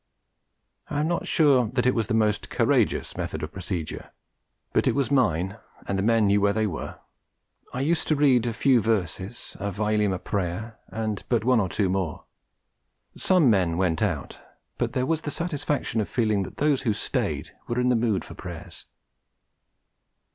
I am not sure that it was the most courageous method of procedure; but it was mine, and the men knew where they were. I used to read a few verses, a Vailima Prayer and but one or two more: some men went out, but there was the satisfaction of feeling that those who stayed were in the mood for Prayers.